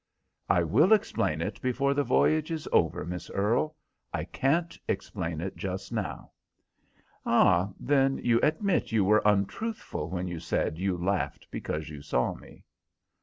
"I will explain it before the voyage is over, Miss Earle. I can't explain it just now." "Ah, then you admit you were untruthful when you said you laughed because you saw me?"